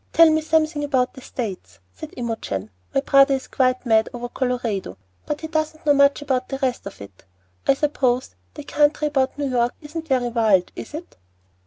"Tell me something about the States," said Imogen. "My brother is quite mad over Colorado, but he doesn't know much about the rest of it. I suppose the country about New York isn't very wild, is it?"